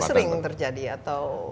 nah itu sering terjadi atau